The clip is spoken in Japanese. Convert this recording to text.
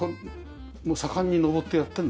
もう盛んに上ってやってるんだ。